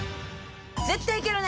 絶対いけるね。